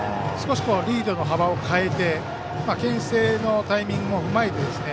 リードの幅を変えてけん制のタイミングうまいですね。